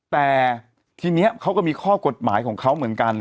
แต่ทีนี้เขาก็มีข้อกฎหมายของเขาเหมือนกัน